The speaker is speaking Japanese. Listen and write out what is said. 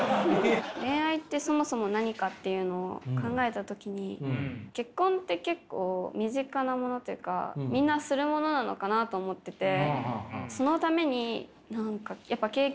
恋愛ってそもそも何かっていうのを考えた時に結婚って結構身近なものというかみんなするものなのかなと思ってて。